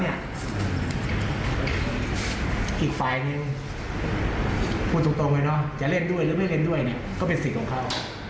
อีกฝ่ายหนึ่งพูดตรงเลยจะเล่นด้วยก็เป็นสิทธิ์ของเขา